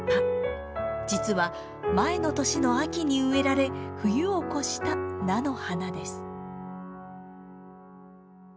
実は前の年の秋に植えられ冬を越した菜の花です。